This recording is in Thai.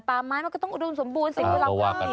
ปลาไม้มันก็ต้องอุดมสมบูรณ์